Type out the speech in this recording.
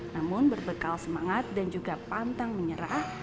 namun berbekal semangat dan juga pantang menyerah